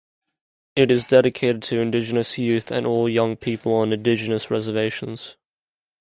It is dedicated to indigenous youth and all young people on indigenous reservations.